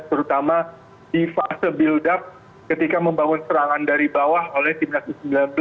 terutama di fase build up ketika membangun serangan dari bawah oleh timnas u sembilan belas